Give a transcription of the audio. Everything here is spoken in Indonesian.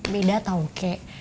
beda tau kek